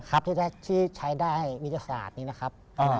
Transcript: ที่ใช้ได้วิทยาศาสตร์นี้นะครับ